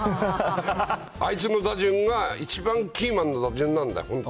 あいつの打順が、一番キーマンの打順なんだよ。